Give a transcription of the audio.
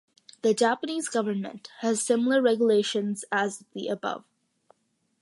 The Japanese government has similar regulations as the above.